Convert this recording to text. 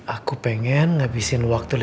aku pengen ngabisin waktu lebih lama